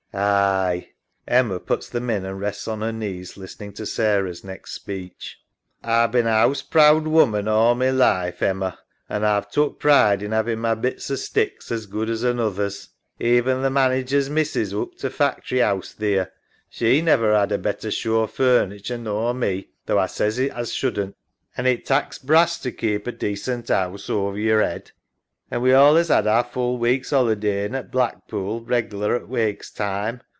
SARAH. Aye. (Emma puts them in and rests on her knees listening to Sarah's next speech. Pause) A've been a 'ouseproud woman all my life, Emma, an A've took pride in 'aving my bits o' sticks as good as another's. Even th' manager's missus oop to factory 'ouse theer, she never 'ad a better show o' furniture nor me, though A says it as shouldn't. An' it tak's brass to keep a decent 'ouse over your yead. An' we allays 'ad our full week's 'ollydain' at Blackpool reglar at Wakes time.